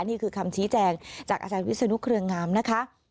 นี่คือคำชี้แจงจากอาจารย์วิศนุเครืองามนะคะ